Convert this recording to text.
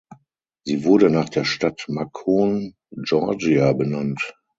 Sie wurde nach der Stadt Macon, Georgia benannt.